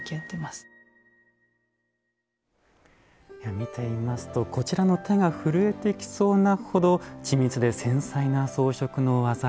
見ていますとこちらの手が震えてきそうなほど緻密で繊細な装飾の技でした。